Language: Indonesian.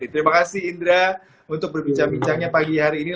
terima kasih indra untuk berbincang bincangnya pagi hari ini